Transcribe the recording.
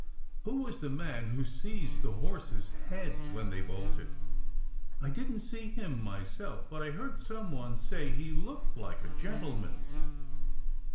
"Who was the man who seized the horses heads when they bolted? I didn t see him myself, but I heard some one say he looked like a gentleman."